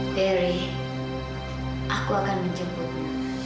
barry aku akan menjemputmu